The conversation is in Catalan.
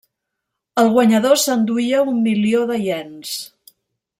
El guanyador s'enduia un milió de iens.